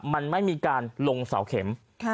มันไม่มีการลงเสาเข็ม